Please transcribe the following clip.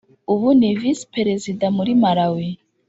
ubu ni visi perezida muri malawi